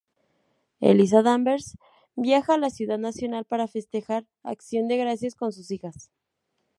Eliza Danvers viaja a Ciudad Nacional para festejar acción de gracias con sus hijas.